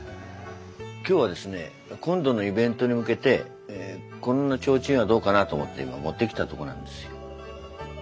今日はですね今度のイベントに向けてこんな提灯はどうかなと思って今持ってきたとこなんですよ。